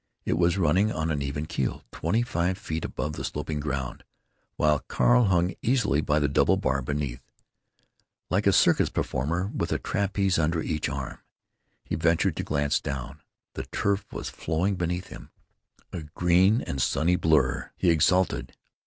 It was running on an even keel, twenty five feet above the sloping ground, while Carl hung easily by the double bar beneath, like a circus performer with a trapeze under each arm. He ventured to glance down. The turf was flowing beneath him, a green and sunny blur. He exulted.